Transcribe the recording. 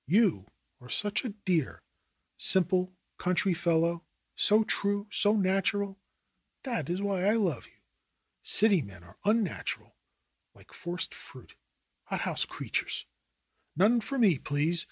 You are such a dear, simple country fellow, so true, so natural. That is why I love you. City men are unnatural, like forced fruit — hot house creatures ! None for me, please !"